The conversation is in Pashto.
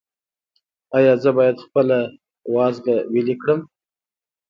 ایا زه باید خپل وازګه ویلې کړم؟